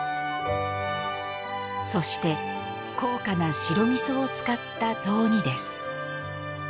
そして高価な白みそを使った雑煮です。